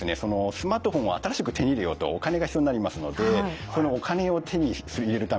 スマートフォンを新しく手に入れようとお金が必要になりますのでそのお金を手に入れるためにですね